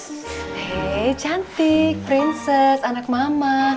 hei cantik prinses anak mama